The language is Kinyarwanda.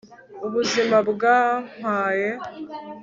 ubuzima bwampaye